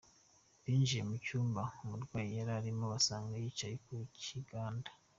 Binjiye mu cyumba umurwayi yari arimo, basanga yicaye ku gitanda.